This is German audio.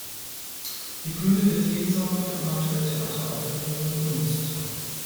Die Bühne wird jeden Sommer für Amateurtheateraufführungen genutzt.